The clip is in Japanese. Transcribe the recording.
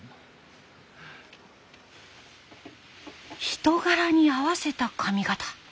人柄に合わせた髪型。